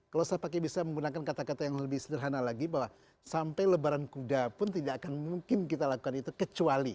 kalau saya pakai bisa menggunakan kata kata yang lebih sederhana lagi bahwa sampai lebaran kuda pun tidak akan mungkin kita lakukan itu kecuali